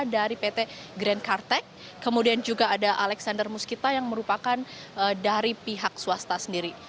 dari pt grand kartek kemudian juga ada alexander muskita yang merupakan dari pihak swasta sendiri